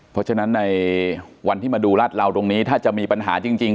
เพราะฉะนั้นในวันที่มาดูรัดเราตรงนี้ถ้าจะมีปัญหาจริง